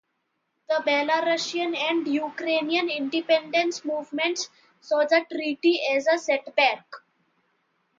The Belarusian and Ukrainian independence movements saw the treaty as a setback.